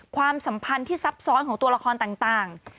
ความสัมพันธ์ที่ซับซ้อนของตัวละครต่าง